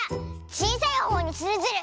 ちいさいほうにするズル！